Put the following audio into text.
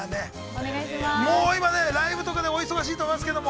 もう今、ライブとかでお忙しいと思いますけど。